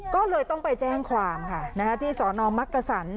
ก็เลยต้องไปแจ้งความค่ะที่สนมักกษัน